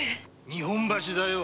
日本橋だよ。